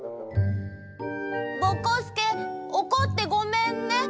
ぼこすけおこってごめんね。